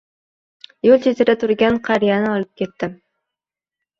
Yoʻl chetida turgan qariyani olib ketdim.